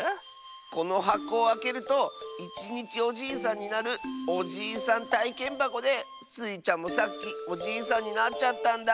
このはこをあけるといちにちおじいさんになるおじいさんたいけんばこでスイちゃんもさっきおじいさんになっちゃったんだ。